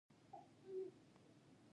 جنرال ډایر په بې ګناه خلکو ډزې وکړې.